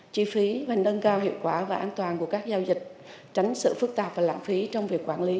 chi phí và nâng cao hiệu quả và an toàn của các giao dịch tránh sự phức tạp và lãng phí trong việc quản lý